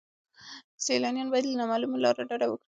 سیلانیان باید له نامعلومو لارو ډډه وکړي.